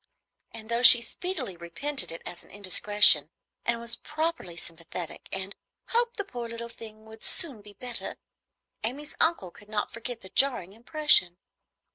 and though she speedily repented it as an indiscretion, and was properly sympathetic, and "hoped the poor little thing would soon be better," Amy's uncle could not forget the jarring impression.